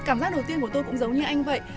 cảm giác đầu tiên của tôi cũng giống như anh vậy